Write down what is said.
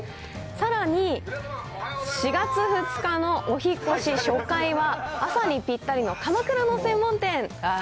さらに、４月２日のお引っ越し初回は、朝にぴったりの鎌倉の専門店。